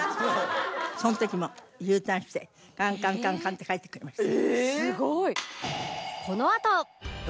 その時もＵターンしてカンカンカンカンって帰ってくれました。